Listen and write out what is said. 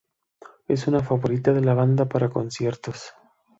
Es favorita de la banda para conciertos.